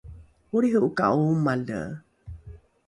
olriho’oka’o omale?